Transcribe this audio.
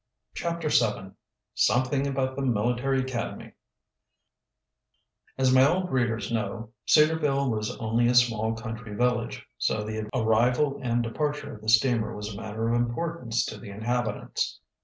CHAPTER VII SOMETHING ABOUT THE MILITARY ACADEMY As my old readers know, Cedarville was only a small country village, so the arrival and departure of the steamer was a matter of importance to the inhabitants.